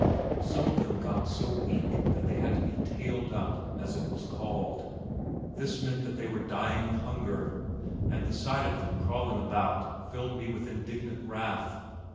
Some of them got so weak that they had to be "tailed" up as it was called. This meant that they were dying of hunger and the sight of them crawling about filled me with indignant wrath.